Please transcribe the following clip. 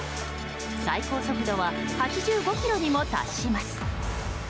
最高速度は８５キロにも達します。